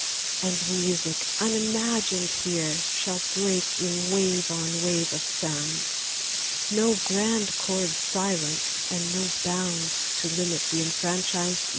And music unimagined here, Shall break in wave on wave of sound, No grand chords silent, and no bound To limit the enfranchised ear.